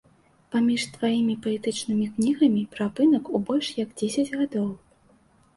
Паміж тваімі паэтычнымі кнігамі перапынак у больш як дзесяць гадоў.